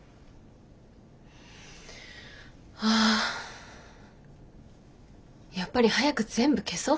ああやっぱり早く全部消そう。